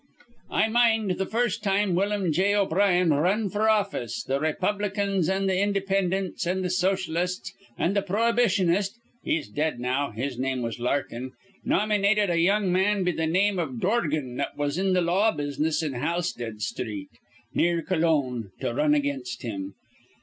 "I mind th' first time Willum J. O'Brien r run f'r office, th' Raypublicans an' th' Indypindants an' th' Socialists an' th' Prohybitionist (he's dead now, his name was Larkin) nommynated a young man be th' name iv Dorgan that was in th' law business in Halsted Sthreet, near Cologne, to r run again' him.